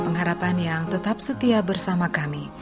pengharapan yang tetap setia bersama kami